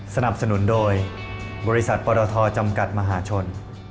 สนับสนุนโดยบริษัทปรทจำกัดมหาชน